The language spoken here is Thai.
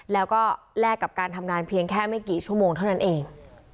แล้วก็แลกกับการทำงานเพียงแค่ไม่กี่ชั่วโมงเท่านั้นเอง